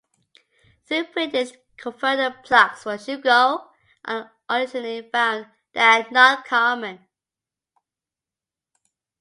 Though British converter plugs for Schuko are occasionally found; they are not common.